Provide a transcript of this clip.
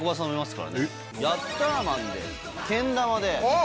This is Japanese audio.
『ヤッターマン』でけん玉で。